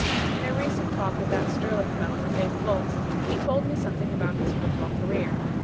In a recent talk with that sterling fellow, Dave Fultz, he told me something about his football career.